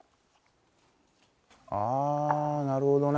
ああなるほどね。